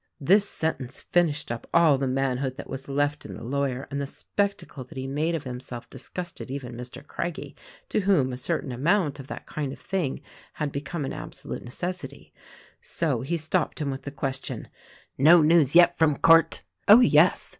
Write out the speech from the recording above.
This sentence finished up all the manhood that was left in the lawyer, and the spectacle that he made of himself disgusted even Mr. Craggie — to whom a certain amount of that kind of thing had become an absolute necessity ; so he stopped him with the question, "No news yet from court?" "Oh, yes!"